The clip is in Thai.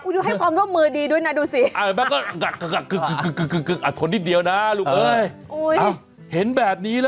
อุดูให้ความร่วมมือดีด้วยนะดูสิก่อนนิดเดียวนะลูกเอย